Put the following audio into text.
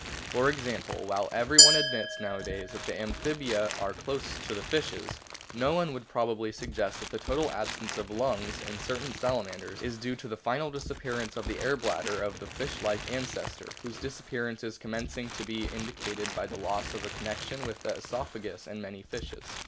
For example, while everyone admits nowadays that the Amphibia are close to the fishes, no one would prob ably suggest that the total absence of lungs in certain Salamanders is due to the final disappearance of the air bladder of the fish like ancestor, whose disappearance is commencing to be indicated by the loss of a connection with the oesophagus in many fishes.